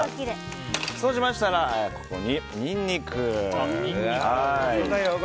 そうしましたらここにニンニク。